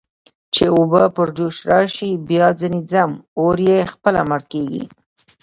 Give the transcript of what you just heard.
چې اوبه پر جوش راشي، بیا ځنې ځم، اور یې خپله مړ کېږي.